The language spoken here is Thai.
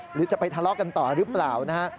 หรือจะไปทะเลาะกันต่อหรือเปล่านะฮะ